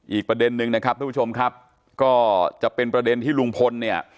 อีกประเด็นนึงนะครับทุกผู้ชมครับก็จะเป็นประเด็นที่ลุงพลเนี่ย